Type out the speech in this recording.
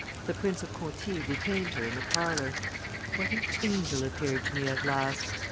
The Prince of Conti detained her in the parlor. What an angel appeared to me at last!